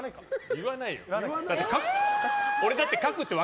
言わないよ。